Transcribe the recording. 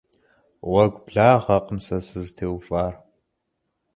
Гъуэгу благъэкъым сэ сызытеувар.